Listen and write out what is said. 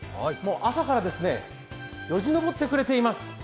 朝からよじ登ってくれています。